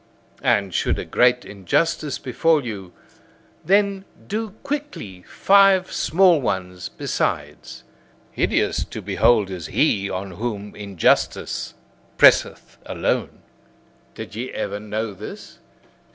And should a great injustice befall you, then do quickly five small ones besides. Hideous to behold is he on whom injustice presseth alone. Did ye ever know this?